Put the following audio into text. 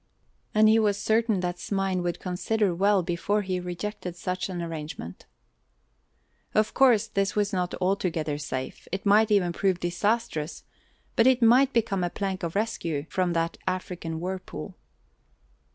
And he was certain that Smain would consider well before he rejected such an arrangement. Of course this was not altogether safe; it might even prove disastrous, but it might become a plank of rescue from that African whirlpool.